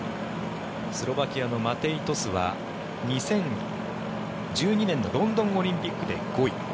スロバキアのマテイ・トスは２０１２年のロンドンオリンピックで５位。